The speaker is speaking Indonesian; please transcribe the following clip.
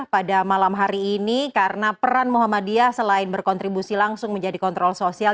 pada malam hari ini karena peran muhammadiyah selain berkontribusi langsung menjadi kontrol sosial